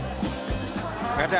gak ada gak ada